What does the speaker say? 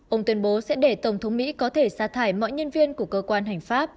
ông tuyên bố sẽ để tổng thống mỹ có thể xa thải mọi nhân viên của cơ quan hành pháp